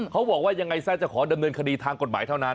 เขาบอกว่ายังไงซะจะขอดำเนินคดีทางกฎหมายเท่านั้น